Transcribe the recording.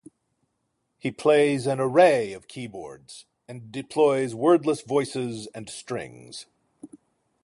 He plays an array of keyboards and deploys wordless voices and strings.